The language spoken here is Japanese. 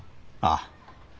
ああ。